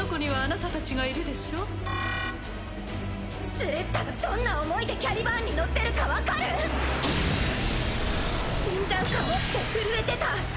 スレッタがどんな思いでキャリバーンに乗ってるか分かる⁉死んじゃうかもって震えてた。